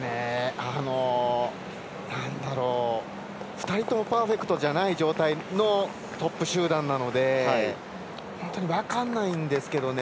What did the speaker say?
２人ともパーフェクトじゃない状態のトップ集団なので本当に分からないんですけどね。